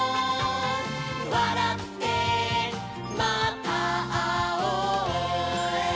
「わらってまたあおう」